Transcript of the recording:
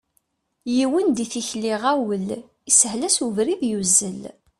Yiwen di tikli iɣawel, ishel-as ubrid, yuzzel.